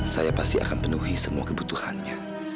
saya pasti akan penuhi semua kebutuhannya